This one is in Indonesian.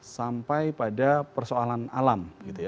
sampai pada persoalan alam